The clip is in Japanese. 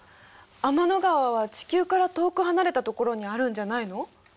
天の川は地球から遠く離れたところにあるんじゃないの？